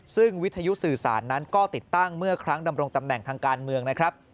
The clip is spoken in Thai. ซึ่งวิทยุสื่อสารนั้นก็ติดตั้งเมื่อครั้งดำรงตำแหน่งทางการเมืองนะครับ